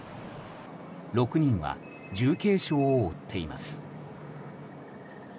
６人は重軽傷を負っています。